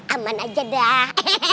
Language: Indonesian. aman aja dah